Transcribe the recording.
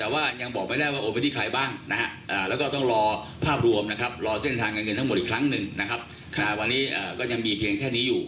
วันนี้ก็ยังมีเพียงแค่นี้อยู่